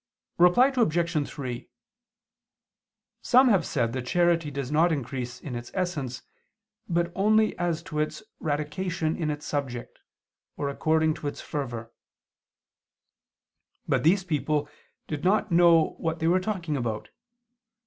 Reply Obj. 3: Some have said that charity does not increase in its essence, but only as to its radication in its subject, or according to its fervor. But these people did not know what they were talking about.